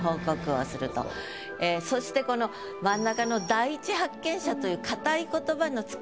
そしてこの真ん中の「第一発見者」という。